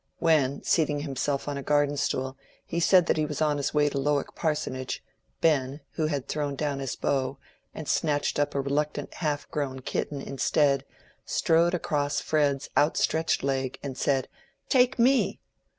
When, seating himself on a garden stool, he said that he was on his way to Lowick Parsonage, Ben, who had thrown down his bow, and snatched up a reluctant half grown kitten instead, strode across Fred's outstretched leg, and said "Take me!"